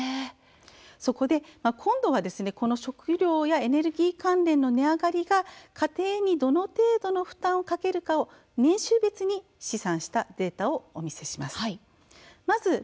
そこで今度は、食料やエネルギー関連の値上がりが家庭にどの程度の負担をかけるかを年収別に試算したデータをお見せします。